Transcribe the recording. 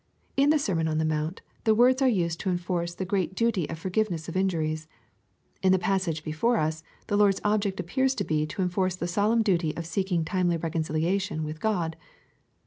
In the Sermon on the Mount, the words are used to enforce the great duty of forgiveness of injuries. In the passage before us, our Lord's object appears to be to enforce the solemn duty of seeking timely reconciliation with God.